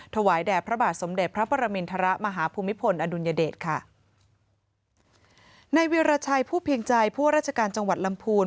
ถวายแด่พระบาทสมเด็จพระปรมินทรมาฮภูมิพลอดุลยเดชค่ะในวิราชัยผู้เพียงใจผู้ว่าราชการจังหวัดลำพูน